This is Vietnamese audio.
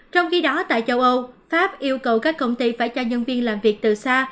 trong khi đó tại châu âu pháp yêu cầu các công ty phải cho nhân viên làm việc từ xa